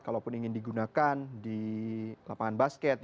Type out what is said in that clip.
kalaupun ingin digunakan di lapangan basket